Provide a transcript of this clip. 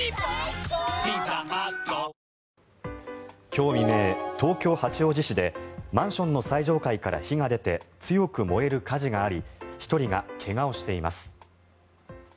今日未明東京・八王子市でマンションの最上階から火が出て強く燃える火事があり１人が怪我をしています。